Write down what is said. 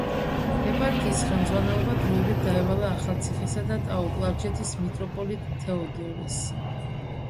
ეპარქიის ხელმძღვანელობა დროებით დაევალა ახალციხისა და ტაო-კლარჯეთის მიტროპოლიტ თეოდორეს.